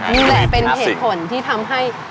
นี่แหละเป็นเหตุผลที่ทำให้